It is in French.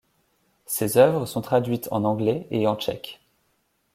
Ses œuvres sont traduites en anglais et en tchèque.